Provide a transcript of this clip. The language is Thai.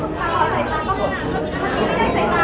ขอบคุณค่ะพี่โฟสขอบคุณค่ะ